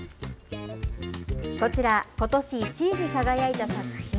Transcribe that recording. こちら、ことし１位に輝いた作品。